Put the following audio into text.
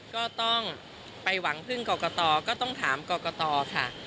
ก็ต้องไปหวังพึ่งกรกตก็ต้องถามกรกตค่ะ